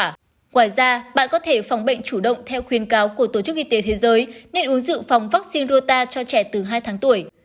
ngoài ra bạn có thể phòng bệnh chủ động theo khuyên cáo của tổ chức y tế thế giới nên uống dự phòng vaccine rota cho trẻ từ hai tháng tuổi